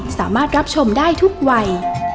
สามารถรับชมได้ทุกวัย